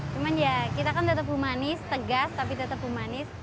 cuman ya kita kan tetap humanis tegas tapi tetap humanis